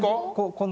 この。